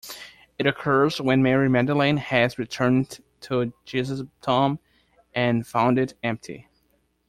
It occurs when Mary Magdalene has returned to Jesus' tomb and found it empty.